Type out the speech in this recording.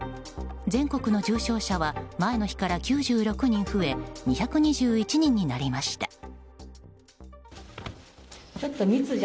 全国の重症者は前の日から９６人増え２２１人になりました。